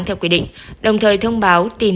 theo quy định đồng thời thông báo tìm